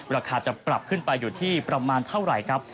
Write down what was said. ราคาจะปรับขึ้นไปอยู่ที่ประมาณเท่าไหร่ครับ